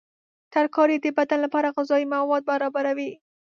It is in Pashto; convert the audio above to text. ترکاري د بدن لپاره غذایي مواد برابروي.